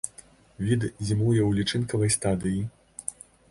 Від зімуе ў лічынкавай стадыі.